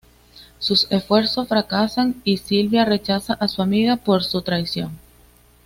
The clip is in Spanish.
Sus esfuerzos fracasan, y Silvia rechaza a su amiga por su traición.